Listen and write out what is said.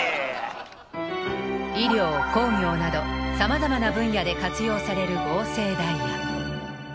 医療工業などさまざまな分野で活用される合成ダイヤ。